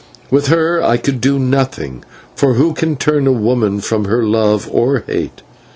With her I could do nothing, for who can turn a woman from her love or hate?